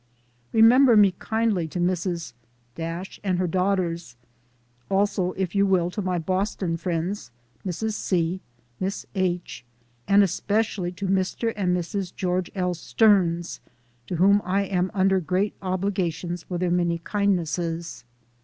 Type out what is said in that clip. "' Remember me very kindly to Mrs. and her daughters ; also, if you will, to my Boston friends, Mrs. C., Miss H., and especially to Mr. and Mrs. George L. Stearns, to whom I am under great obligations for their many kindnesses.